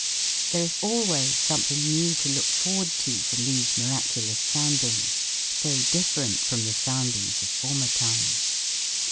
There is always something new to look forward to from these miraculous soundings, so different from the soundings of former time.